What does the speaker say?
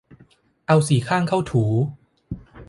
เอาสีข้างเข้าถู